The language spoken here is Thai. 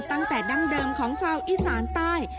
ตั้งแต่ดั้งเดิมของชาวอีสานใต้